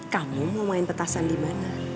kamu mau main petasan di mana